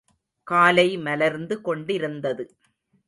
காலை மலர்ந்து கொண்டிருந்தது.